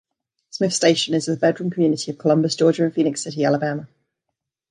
Smiths Station is a bedroom community of Columbus, Georgia and Phenix City, Alabama.